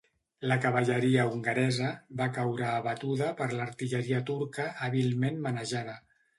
La cavalleria hongaresa va caure abatuda per l'artilleria turca hàbilment manejada.